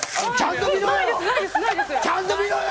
ちゃんと見ろよ。